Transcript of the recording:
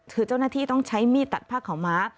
คือเจ้าหน้าที่ต้องใช้มีดตัดผ้าขาวม้า